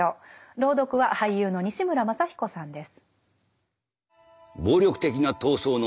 朗読は俳優の西村まさ彦さんです。